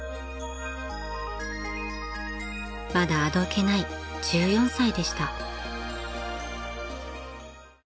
［まだあどけない１４歳でした］